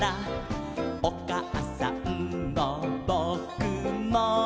「おかあさんもぼくも」